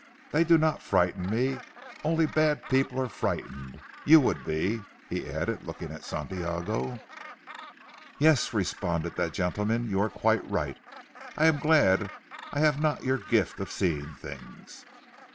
They do not frighten me. Only bad people are frightened. You would be," he added looking at Santiago. "Yes," responded that gentleman, "you are quite right. I am glad I have not your gift of seeing things."